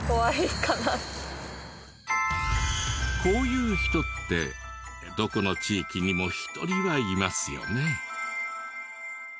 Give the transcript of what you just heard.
こういう人ってどこの地域にも１人はいますよね。